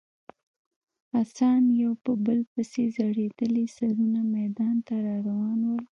اسان یو په بل پسې ځړېدلي سرونه میدان ته راروان ول.